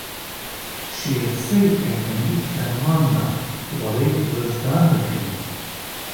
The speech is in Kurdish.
Şex Seîd efendî ferman da, welêt rizgar bikin.